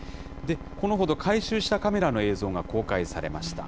このほど、回収したカメラの映像が公開されました。